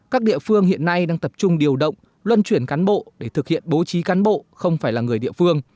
các địa phương hiện nay đang tập trung điều động luân chuyển cán bộ để thực hiện bố trí cán bộ không phải là người địa phương